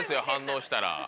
反応したら。